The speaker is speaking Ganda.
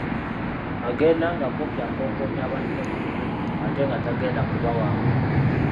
Agenda nga kumpi akokoonya banne mu kkubo ate nga tagenda kubawaako.